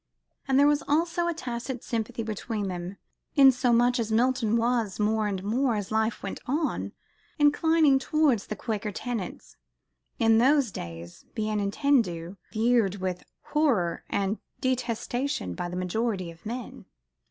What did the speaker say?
And there was also a tacit sympathy between them, insomuch as Milton was, more and more, as life went on, inclining towards the Quaker tenets, in those days, bien entendu, viewed with horror and detestation by the majority of men.